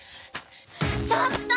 ちょっと！